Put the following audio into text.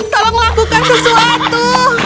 tolong lakukan sesuatu